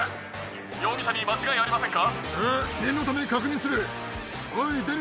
容疑者に間違いありませんか？